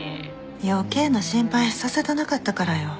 余計な心配させたなかったからよ。